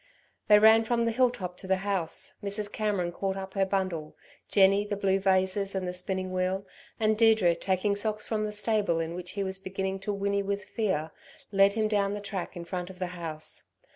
They ran from the hill top to the house, Mrs. Cameron caught up her bundle, Jenny, the blue vases and the spinning wheel, and Deirdre, taking Socks from the stable in which he was beginning to whinny with fear, led him down the track in front of the house.